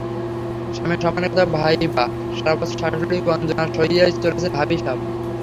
স্বামীর সম্মানের কথা ভাইবা সারা বছর শাশুড়ির গঞ্জনা সইয়াই চলেছেন ভাবি সাব।